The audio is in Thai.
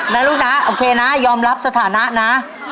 นะลูกนะโอเคนะยอมรับสถานะนะ